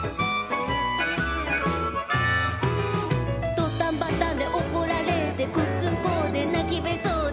「どったんばったんでおこられてごっつんこでなきべそで」